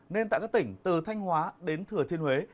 nên tại các tỉnh từ thanh hóa đến thừa thiên huế